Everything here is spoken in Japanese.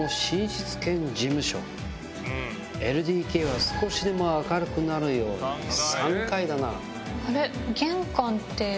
ＬＤＫは少しでも明るくなるように３階だな。